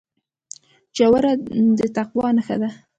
روژه د تقوا نښه ده.